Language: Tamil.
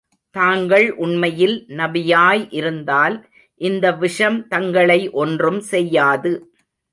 தாங்கள் உண்மையில் நபியாய் இருந்தால், இந்த விஷம் தங்களை ஒன்றும் செய்யாது.